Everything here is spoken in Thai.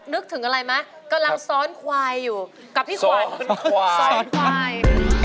นึกถึงอะไรไหมกำลังซ้อนควายอยู่กับพี่ขวัญซ้อนควาย